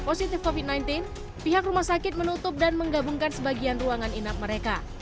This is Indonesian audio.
positif covid sembilan belas pihak rumah sakit menutup dan menggabungkan sebagian ruangan inap mereka